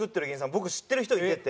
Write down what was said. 僕知ってる人いて。